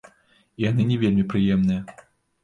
І яны не вельмі прыемныя.